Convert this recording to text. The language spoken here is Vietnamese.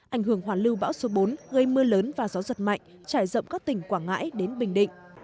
ảnh hưởng hoàn lưu bão số bốn gây mưa lớn và gió giật mạnh trải rộng các tỉnh quảng ngãi đến bình định